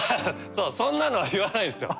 そんなのは言わないんですよ。